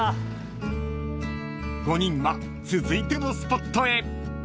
［５人は続いてのスポットへ］